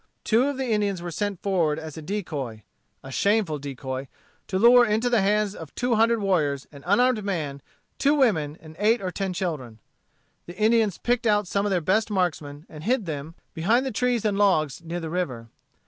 Two of the Indians were sent forward as a decoy a shameful decoy to lure into the hands of two hundred warriors an unarmed man, two women, and eight or ten children. The Indians picked out some of their best marksmen and hid them behind trees and logs near the river.